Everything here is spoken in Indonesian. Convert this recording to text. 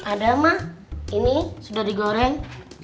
ada mah ini sudah digoreng